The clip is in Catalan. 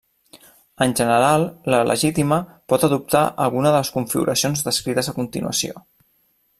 En general, la llegítima pot adoptar alguna de les configuracions descrites a continuació.